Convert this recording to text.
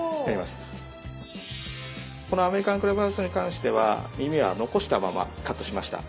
このアメリカンクラブハウスに関してはみみは残したままカットしました。